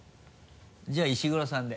じゃあ石黒さんで。